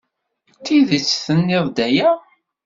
D tidet tennid-d aya?